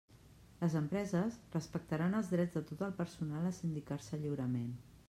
Les empreses respectaran els drets de tot el personal a sindicar-se lliurement.